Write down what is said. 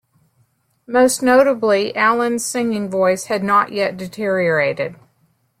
Most notably, Allin's singing voice had not yet deteriorated.